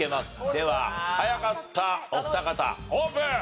では早かったお二方オープン！